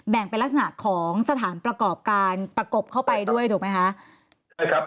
เป็นลักษณะของสถานประกอบการประกบเข้าไปด้วยถูกไหมคะ